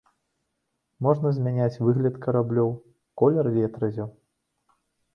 Можна змяняць выгляд караблёў, колер ветразяў.